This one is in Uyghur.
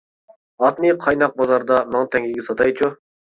ئاتنى قايناق بازاردا، مىڭ تەڭگىگە ساتايچۇ.